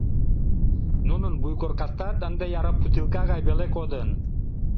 Нунын вуйгоркаштат ынде яра путилка гай веле кодын.